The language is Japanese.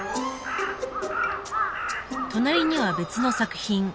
隣には別の作品。